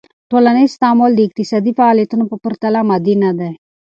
ټولنیز تعامل د اقتصادی فعالیتونو په پرتله مادي ندي.